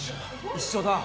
一緒だ。